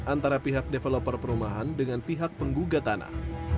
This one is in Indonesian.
antara pihak developer perumahan dengan pihak penggugat tanah